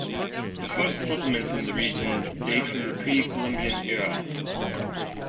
The first settlements in the region date from the Pre-Columbian era.